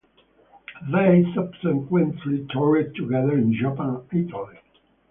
They subsequently toured together in Japan and Italy.